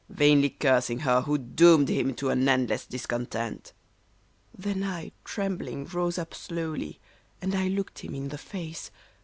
Vainly cursing her who doomed hirn to an endless discon tent !'" Then I, trembling, rose up slowly, and I looked him in the face.